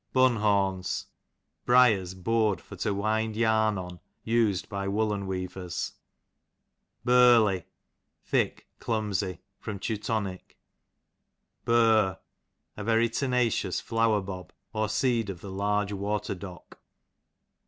Bunhorns, briers bored for to irind yam on, iis'd by unollen wearers. Burley, thick, clumsy. Teu. Bur, a very tenacious flowerbob, or seed of the large water dock.